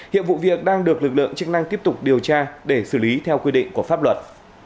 hiện vụ việc đang được lực lượng chức năng tiếp tục điều tra để xử lý theo quy định của pháp luật